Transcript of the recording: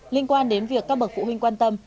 liên quan đến việc các bậc phụ huynh quan tâm